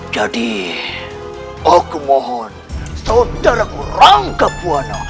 jadi aku mohon saudaraku rangkap buana